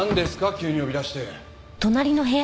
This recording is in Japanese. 急に呼び出して。